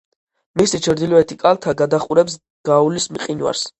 მისი ჩრდილოეთი კალთა გადაჰყურებს გაულის მყინვარს.